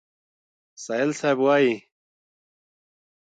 سایل صیب وایي: